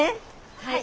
はい。